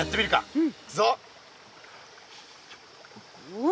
うん。